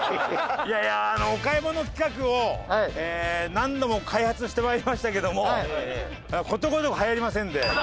いやいやお買い物企画を何度も開発して参りましたけどもことごとく流行りませんで。